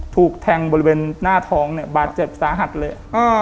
ถูกแทงบริเวณหน้าท้องเนี่ยบาดเจ็บสาหัสเลย